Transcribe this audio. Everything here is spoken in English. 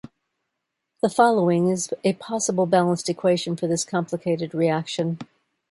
The following is a possible balanced equation for this complicated reaction.